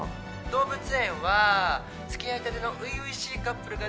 動物園は付き合いたての初々しいカップルが